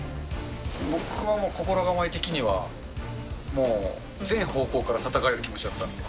僕はもう心構え的には、もう、全方向からたたかれる気持ちだったんで。